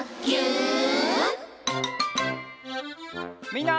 みんな！